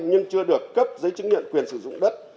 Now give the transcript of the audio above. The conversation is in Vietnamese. nhưng chưa được cấp giấy chứng nhận quyền sử dụng đất